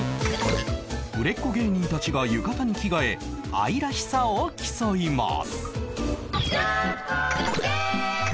売れっ子芸人たちが浴衣に着替え愛らしさを競います